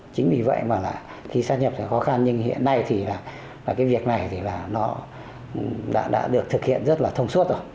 chính vì vậy mà là khi sắp nhập sẽ khó khăn nhưng hiện nay thì là cái việc này thì là nó đã được thực hiện rất là thông suốt rồi